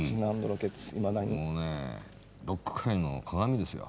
もうねロック界のかがみですよ。